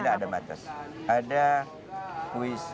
tidak ada batas